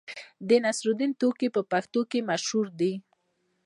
د نصرالدین ټوکې په پښتنو کې مشهورې دي.